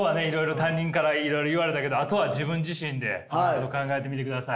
他人からいろいろ言われたけどあとは自分自身で考えてみてください。